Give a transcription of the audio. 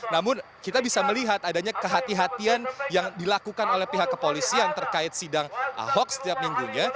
namun kita bisa melihat adanya kehatian yang dilakukan oleh pihak kepolisian terkait sidang ahok setiap minggunya